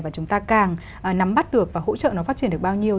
và chúng ta càng nắm bắt được và hỗ trợ nó phát triển được bao nhiêu